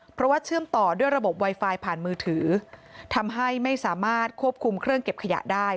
เพราะว่าเชื่อมต่อด้วยระบบไวไฟผ่านมือถือทำให้ไม่สามารถควบคุมเครื่องเก็บขยะได้